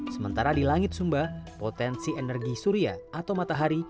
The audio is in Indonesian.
sementara di langit sumba potensi energi surya atau matahari